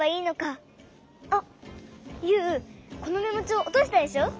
あっユウこのメモちょうおとしたでしょ？